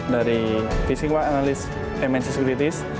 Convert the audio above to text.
dari fisikwa analis mnc sekritis